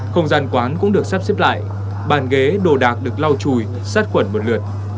không gian quán cũng được sắp xếp lại bàn ghế đồ đạc được lau chùi sát quẩn một lượt